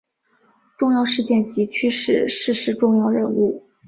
重要事件及趋势逝世重要人物